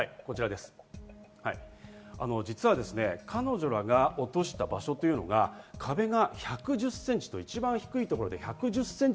実は彼女らが落とした場所というのが壁が１１０ｃｍと一番低いところなんです。